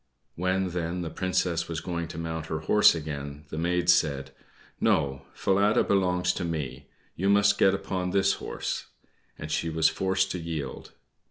When, then, the Princess was going to mount her horse again, the maid said, "No, Falada belongs to me; you must get upon this horse:" and she was forced to yield.